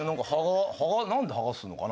なんで剥がすのかなとかって。